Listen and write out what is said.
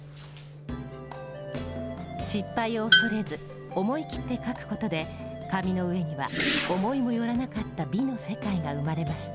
失敗を恐れず思い切って描くことで紙の上には思いも寄らなかった美の世界が生まれました。